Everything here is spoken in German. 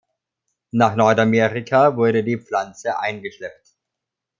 Nach Nordamerika wurde die Pflanze eingeschleppt.